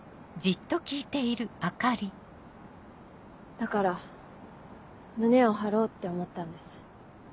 だから胸を張ろうって思ったんです。